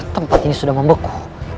tempat ini sudah membeku